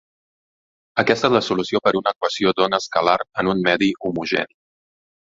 Aquesta és la solució per una equació d'ona escalar en un medi homogeni.